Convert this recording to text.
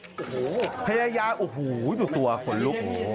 โอ้โฮพญายาโอ้โฮอยู่ตัวขนลุก